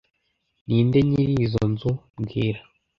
Ninde nyiri izoi nzu mbwira